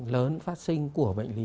lớn phát sinh của bệnh lý